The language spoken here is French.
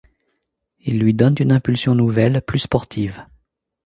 Ils lui donnent une impulsion nouvelle, plus sportive.